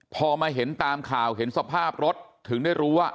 พอมาเห็นตามข่าวเห็นสภาพรถถึงได้รู้ว่า